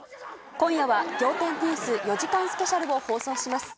今夜は、仰天ニュース４時間スペシャルを放送します。